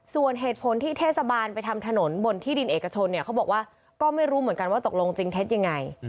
ส่วนเหตุผลที่เทศบาลไปทำถนนบนที่ดินเอกชนเนี่ยเขาบอกว่าก็ไม่รู้เหมือนกันว่าตกลงจริงเท็จยังไง